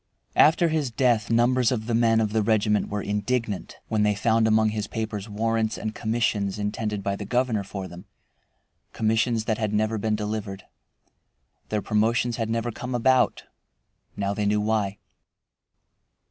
After his death numbers of the men of the regiment were indignant, when they found among his papers warrants and commissions intended by the governor for them, commissions that had never been delivered. Their promotions had never come about. Now they knew why.